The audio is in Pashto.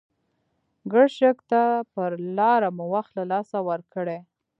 ګرشک ته پر لاره مو وخت له لاسه ورکړی.